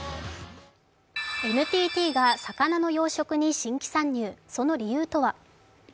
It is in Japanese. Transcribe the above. ＮＴＴが魚の養殖に新規参入その理由とは。